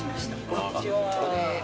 こんにちは。